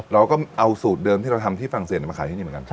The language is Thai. เราก็เอาสูตรเดิมที่เราทำที่ฝรั่งเศสมาขายที่นี่เหมือนกัน